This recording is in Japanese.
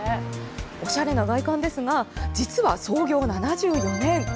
おしゃれな外観ですが実は創業７４年。